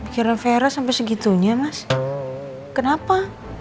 kira kira sampai segitunya mas kenapa